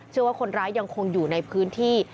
ว่าคนร้ายยังคงอยู่ในพื้นที่